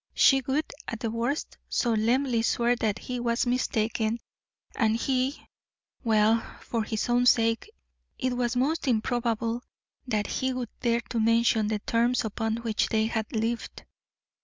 She would, at the worst, solemnly swear that he was mistaken, and he well, for his own sake, it was most improbable that he would dare to mention the terms upon which they had lived.